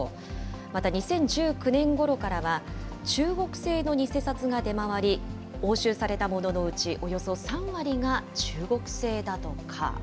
また、２０１９年ごろからは、中国製の偽札が出回り、押収されたもののうちおよそ３割が中国製だとか。